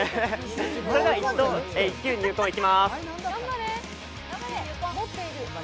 それでは一球入魂いきます！